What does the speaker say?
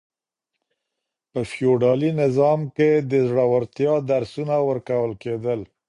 په فيوډالي نظام کي د زړورتيا درسونه ورکول کېدل.